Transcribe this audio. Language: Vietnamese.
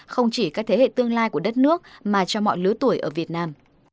không chỉ các thế hệ tương lai của đất nước mà cho mọi lứa tuổi ở việt nam